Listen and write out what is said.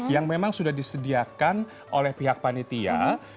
yang memang sudah disediakan oleh pihak panitia